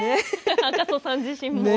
赤楚さん自身も。